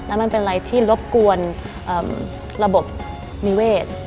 แล้วมันเป็นอะไรที่รบกวนระบบนิเวศ